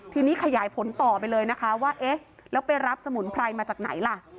ทีนี้ขยายผลต่อไปเลยนะคะว่าเอ๊ะแล้วไปรับสมุนไพรมาจากไหนล่ะ